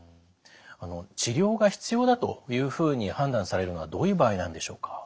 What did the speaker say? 治療が必要だというふうに判断されるのはどういう場合なんでしょうか？